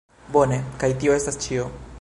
Bone, Kaj tio estas ĉio